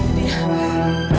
terserah harus berjaga